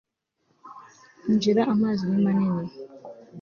Injira Amazi ni manini